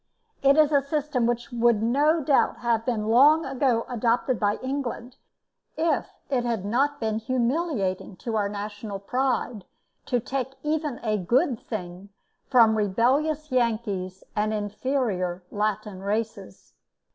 It is a system which would no doubt have been long ago adopted by England, if it had not been humiliating to our national pride to take even a good thing from rebellious Yankees, and inferior Latin races.